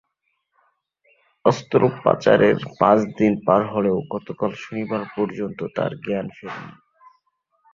অস্ত্রোপচারের পাঁচ দিন পার হলেও গতকাল শনিবার পর্যন্ত তার জ্ঞান ফেরেনি।